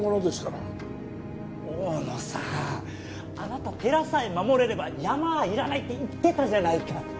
大野さんあなた寺さえ守れれば山はいらないって言ってたじゃないか。